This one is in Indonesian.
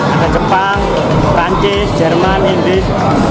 ada jepang perancis jerman inggris